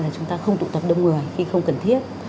thứ ba là chúng ta không tụ tập đông người khi không cần thiết